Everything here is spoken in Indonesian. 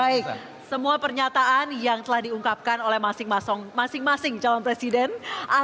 baik semua pernyataan yang telah diungkapkan oleh masing masing calon presiden adalah janji yang harus kita sebagai masyarakat indonesia